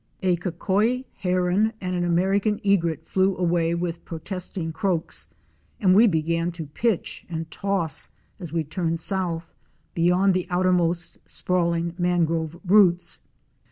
A 234 OUR SEARCH FOR A WILDERNESS. Cocoi Heron * and an American Egret" flew away with pro testing croaks, and we began to pitch and toss as we turned south, beyond the outermost sprawling mangrove roots.